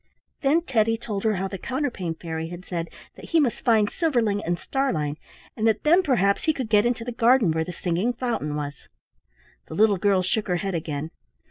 Then Teddy told her how the Counterpane Fairy had said that he must find Silverling and Starlein and that then perhaps he could get into the garden where the singing fountain was. The little girl shook her head again.